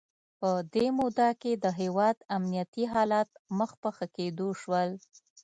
په دې موده کې د هیواد امنیتي حالات مخ په ښه کېدو شول.